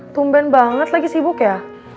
tumben banget lagi sibuk ya